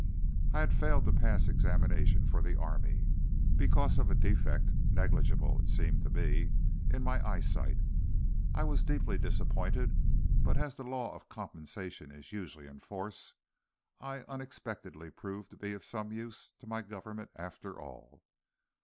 I had failed to pass examination for the army, because of a defect, negligible, it seemed to me, in my eyesight. I was deeply disappointed, but as the law of compensation is usually in force, I unexpectedly proved to be of some use to my Government after all.